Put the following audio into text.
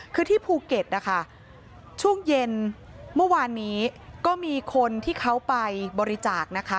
คือที่ภูเก็ตนะคะช่วงเย็นเมื่อวานนี้ก็มีคนที่เขาไปบริจาคนะคะ